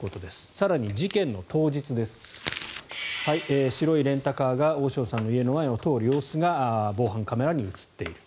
更に、事件の当日白いレンタカーが大塩さんの家の前を通る様子が防犯カメラに映っている。